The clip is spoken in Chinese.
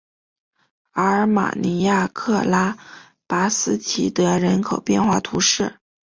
阿尔马尼亚克拉巴斯提德人口变化图示